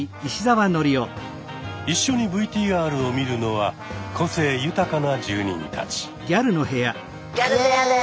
一緒にＶＴＲを見るのは個性豊かな住人たち。